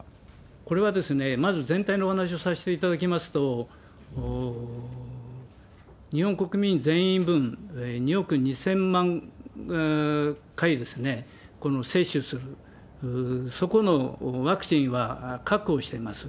これはですね、まず全体のお話をさせていただきますと、日本国民全員分、２億２０００万回、この接種する、そこのワクチンは確保してます。